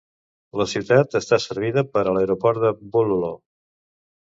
La ciutat està servida per l"Aeroport de Bulolo.